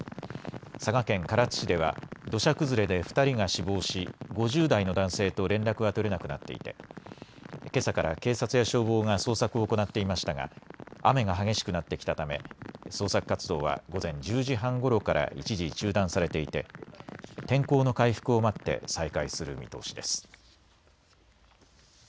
佐賀県唐津市では土砂崩れで２人が死亡し、５０代の男性と連絡が取れなくなっていてけさから警察や消防が捜索を行っていましたが雨が激しくなってきたため捜索活動は午前１０時半ごろから一時、中断されていて天候の回復を待って再開する見通しです。